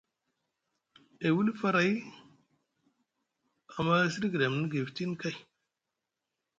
E wili faray, amma e siɗi gɗamni gay futini kay.